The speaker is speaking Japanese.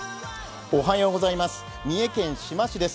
三重県志摩市です